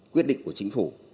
quyết định của chính phủ